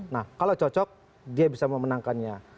nah kalau cocok dia bisa memenangkannya